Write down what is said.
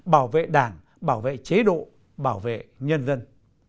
bảo vệ đảng bảo vệ chế độ bảo vệ nhân dân